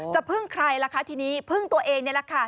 พึ่งใครล่ะคะทีนี้พึ่งตัวเองนี่แหละค่ะ